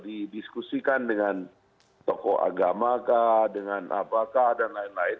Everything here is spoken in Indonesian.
didiskusikan dengan tokoh agamakah dengan apakah dan lain lain